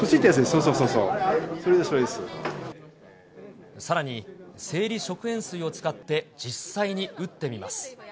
そうそうさらに、生理食塩水を使って実際に打ってみます。